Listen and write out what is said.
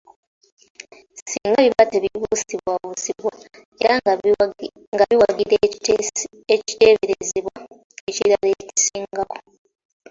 Singa biba tebibuusibwabuusibwa era nga biwagira ekiteeberezebwa ekirala ekisingako.